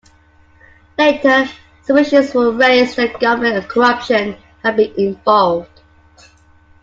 Later, suspicions were raised that government corruption had been involved.